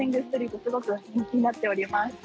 すごく人気となっております。